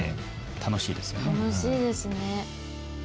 楽しいですね。